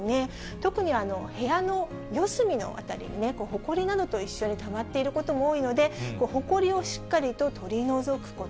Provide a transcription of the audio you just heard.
特に、部屋の四隅の辺りにほこりなどと一緒にたまっていることも多いので、ほこりをしっかりと取り除くこと。